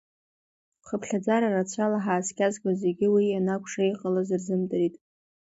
Хыԥхьаӡара рацәала ҳааскьазгоз зегьы уи ианакәша иҟалаз рзымдырит.